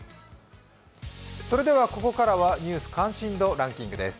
それではここからは「ニュース関心度ランキング」です。